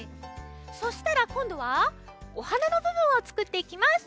そしたらこんどはお花のぶぶんをつくっていきます。